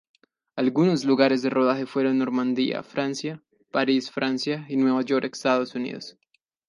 Algunos lugares de rodaje fueron Normandía, Francia; París, Francia; y Nueva York, Estados Unidos.